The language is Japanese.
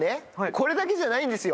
これだけじゃないんですよ。